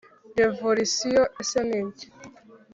revolisiyo ese ni iki?